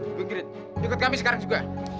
ibu ingrid ikut kami sekarang juga